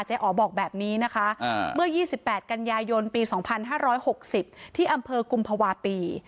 อ๋อบอกแบบนี้นะคะเมื่อ๒๘กันยายนปี๒๕๖๐ที่อำเภอกุมภาวะปี